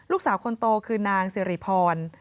ลูกสาวคนโตคือนางสิริพร